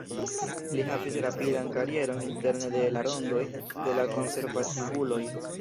Li havis rapidan karieron interne de la rondoj de la konservativuloj.